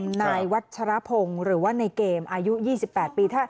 ค่ะนายวัฒระพงหรือว่าในเกมอายุ๒๘ปี